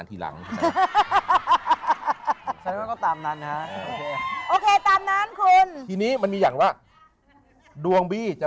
ที่หลังตามนั้นนะโอเคตามนั้นคุณที่นี้มันมีอย่างว่าดวงบี้จะ